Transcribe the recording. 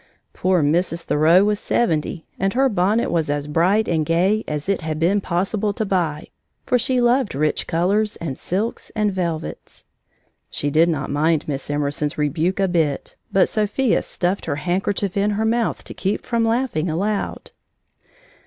Poor Mrs. Thoreau was seventy, and her bonnet was as bright and gay as it had been possible to buy, for she loved rich colors and silks and velvets. She did not mind Miss Emerson's rebuke a bit, but Sophia stuffed her handkerchief in her mouth to keep from laughing aloud.